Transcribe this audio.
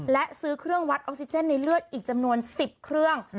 และซื้อเครื่องวัดออกซิเจนในเลือดอีกจำนวน๑๐เครื่อง